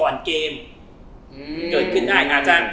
รอยอยากเนี้ย